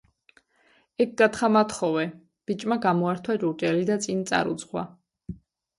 – ეგ კათხა მათხოვე… – ბიჭმა გამოართვა ჭურჭელი და წინ წარუძღვა.